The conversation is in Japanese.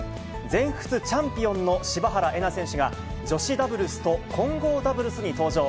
全仏チャンピオンの柴原瑛菜選手が、女子ダブルスと混合ダブルスに登場。